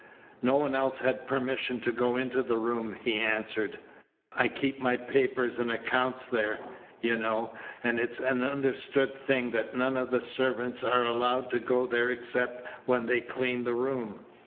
"No one else had permission to go into the room," he answered. "I keep my papers and accounts there, you know, and it's an understood thing that none of the servants are allowed to go there except when they clean the room."